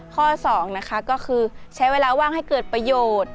ข้อ๒นะคะก็คือใช้เวลาว่างให้เกิดประโยชน์